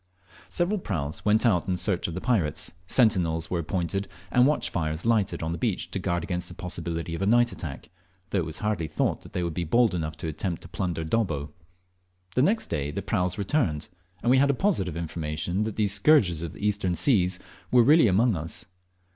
Several praus went out in search of the pirates, sentinels were appointed, and watch fires lighted on the beach to guard against the possibility of a night attack, though it was hardly thought they would be bold enough to attempt to plunder Dobbo. The next day the praus returned, and we had positive information that these scourges of the Eastern seas were really among us.